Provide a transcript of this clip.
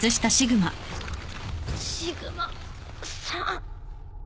シグマさん。